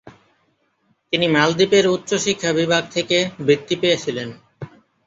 তিনি মালদ্বীপের উচ্চ শিক্ষা বিভাগ থেকে বৃত্তি পেয়েছিলেন।